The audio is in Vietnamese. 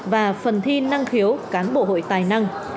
và phần thi năng khiếu cán bộ hội tài năng